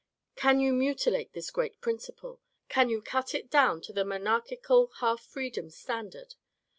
Can you mutilate this great principle ? Can you cut it down to the monarchical half freedom standard